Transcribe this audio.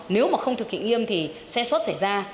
nếu mà không thực hiện nghiêm thì sẽ xót xảy ra